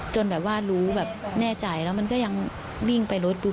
รู้แบบแบบแน่ใจแล้วมันก็ยังวิ่งไปรถปุ๊บ